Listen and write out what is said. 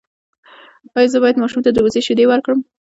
ایا زه باید ماشوم ته د وزې شیدې ورکړم؟